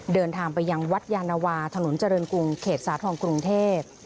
เดินทางไปยังวัดยานวาถนนเจริญกรุงเขตสาธรณ์กรุงเทพ